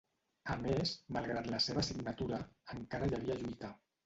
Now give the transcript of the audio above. A més, malgrat la seva signatura, encara hi havia lluita.